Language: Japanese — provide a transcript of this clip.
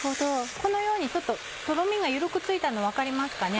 このようにちょっととろみが緩くついたの分かりますかね？